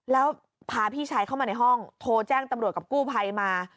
แล้วพาพี่ชายเข้ามาในห้องโทรแจ้งตำรวจกับกู้ภัยมา